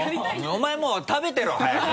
お前もう食べてろ早く。